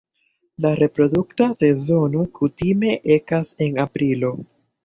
La reprodukta sezono kutime ekas en aprilo.